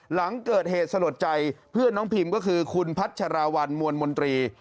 หลังเกิดเหตุสลดใจเพื่อนน้องพิมก็คือคุณพัชราวัลมวลมนตรี